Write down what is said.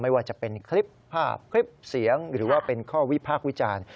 ว่าจะเป็นคลิปภาพคลิปเสียงหรือว่าเป็นข้อวิพากษ์วิจารณ์